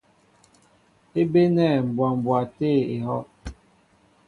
É bénɛ̂ mbwa mbwa tê ehɔ́’.